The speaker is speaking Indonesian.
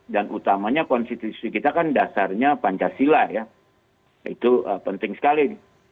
dan utamanya konstitusi kita kan dasarnya pancasila ya itu penting sekali